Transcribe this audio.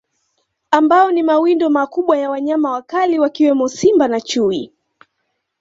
Ambao ni mawindo makubwa ya wanyama wakali wakiwemo Simba na Chui